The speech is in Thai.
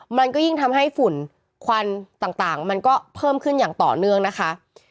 มันก็ยิ่งทำให้ฝุ่นควันต่างมันก็เพิ่มขึ้นอย่างต่อเนื่องนะคะ